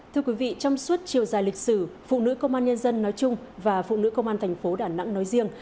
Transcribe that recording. thưa quý vị trong suốt chiều dài lịch sử phụ nữ công an nhân dân nói chung và phụ nữ công an thành phố đà nẵng nói riêng